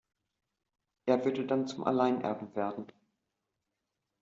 Er würde dann zum Alleinerben werden.